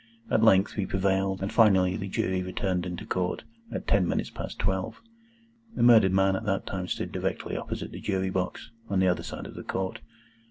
At length we prevailed, and finally the Jury returned into Court at ten minutes past twelve. The murdered man at that time stood directly opposite the Jury box, on the other side of the Court.